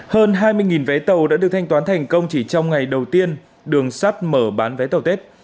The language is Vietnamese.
hơn hai mươi vé tàu đã được thanh toán thành công chỉ trong ngày đầu tiên đường sắt mở bán vé tàu tết